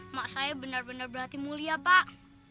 emak saya benar benar berhati mulia pak